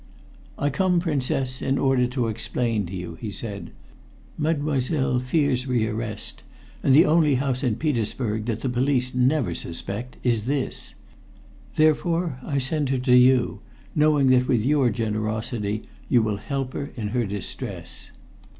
"I come, Princess, in order to explain to you," he said. "Mademoiselle fears rearrest, and the only house in Petersburg that the police never suspect is this. Therefore I send her to you, knowing that with your generosity you will help her in her distress."